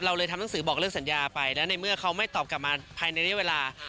เลยทำหนังสือบอกเรื่องสัญญาไปแล้วในเมื่อเขาไม่ตอบกลับมาภายในเรียกเวลา